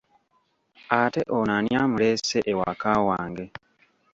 Ate ono ani amuleese ewaka wange?